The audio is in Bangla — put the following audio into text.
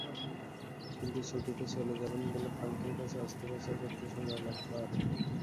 কিন্তু ছুটিতে চলে যাবেন বলে ফাঙ্কের কাছে অস্ত্রোপচার করতে সময় লাগতো আরও।